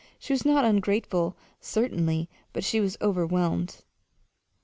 She was not ungrateful, certainly, but she was overwhelmed.